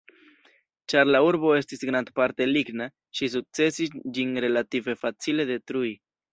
Ĉar la urbo estis grandparte ligna, ŝi sukcesis ĝin relative facile detrui.